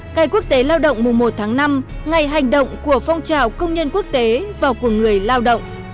ngày quốc tế lao động mùa một tháng năm ngày hành động của phong trào công nhân quốc tế và của người lao động